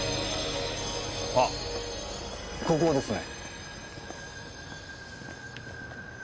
あっここですね。